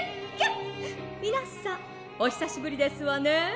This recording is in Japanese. みなさんおひさしぶりですわね」。